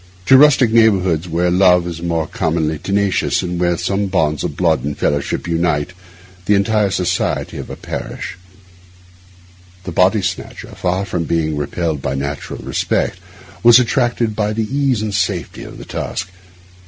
To rustic neighbourhoods, where love is more than commonly tenacious, and where some bonds of blood or fellowship unite the entire society of a parish, the body snatcher, far from being repelled by natural respect, was attracted by the ease and safety of the task.